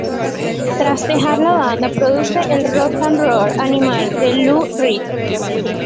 Tras dejar la banda, produce el "Rock n Roll Animal" de Lou Reed.